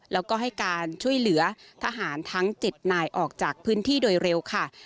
แล้วก็ให้การช่วยเหลือทหารทั้ง๗นายออกจากพื้นที่โดยเร็วค่ะ